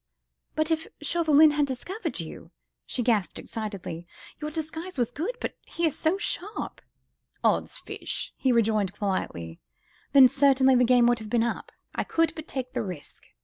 "But if Chauvelin had discovered you," she gasped excitedly, "your disguise was good ... but he is so sharp." "Odd's fish!" he rejoined quietly, "then certainly the game would have been up. I could but take the risk.